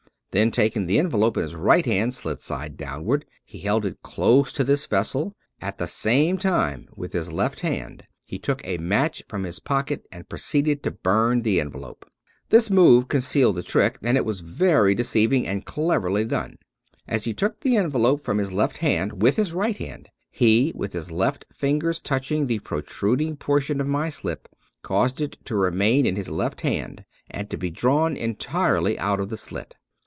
Then taking the envelope in his right hand, slit side downward, he held it close to this vessel; at the same time with his left hand he took a match from his pocket and proceeded to burn the envelope. This move concealed the trick; and it was very deceiving and cleverly done. As he took the envelope from his left hand with his right hand, he, with his left fingers touching the protruding portion of my slip, caused it to remain in his left hand and to be drawn entirely out of the slit.